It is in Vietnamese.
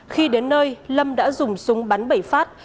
khi đến nơi lâm đã dùng súng bắn bảy phát